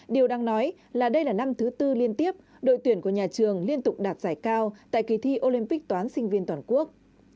điều đang nói là đây là năm thứ tư liên tiếp đội tuyển của nhà trường liên tục đạt giải cao tại kỳ thi olympic toán sinh viên toàn quốc